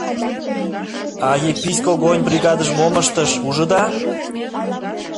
А Епись Когойын бригадыже мом ыштыш, ужыда?